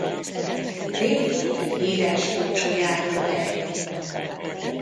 Régi híres búcsújáróhely.